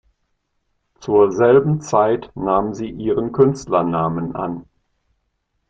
Zur selben Zeit nahm sie ihren Künstlernamen an.